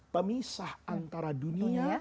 pemisah antara dunia